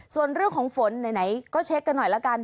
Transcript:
ส่วนเรื่องของฝนไหนก็เช็คกันหน่อยละกัน